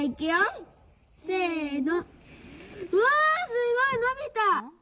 すごい！伸びた。